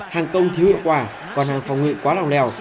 hàng công thiếu hiệu quả còn hàng phòng ngị quá lòng lèo